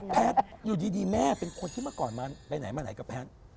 แพทย์อยู่ดีแม่เป็นคนที่มาก่อนมาทั้งรอบแกียงแพทย์